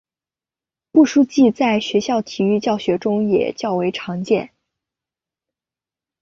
步数计在学校体育教学中也较为常见。